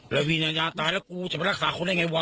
แล้ววิญญาตายแล้วกูจะไปรักษาคนได้ไงวะ